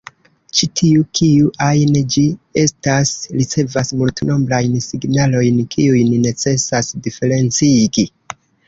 Ĉi tiu, kiu ajn ĝi estas, ricevas multnombrajn signalojn kiujn necesas diferencigi.